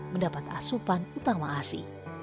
mendapat asupan utama asi